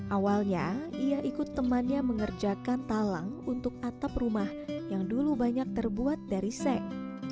awalnya ia ikut temannya mengerjakan talang untuk atap rumah yang dulu banyak terbuat dari sek